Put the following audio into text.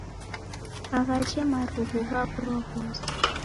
Aghaje marughu ghaw'urwa ghose